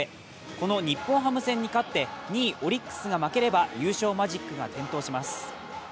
この日本ハム戦に勝って、２位・オリックスが負ければ優勝マジックが点灯します。